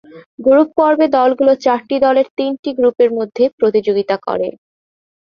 Group পর্বে দলগুলো চারটি দলের তিনটি গ্রুপের মধ্যে প্রতিযোগিতা করে।